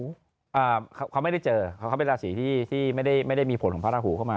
เขาราศีจะไม่ได้เจอเขาเป็นราศีไม่ได้มีผลของพระลาหูเข้ามา